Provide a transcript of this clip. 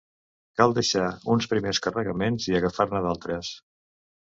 Cal deixar uns primers carregaments i agafar-ne d'altres.